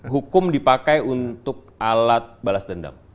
hukum dipakai untuk alat balas dendam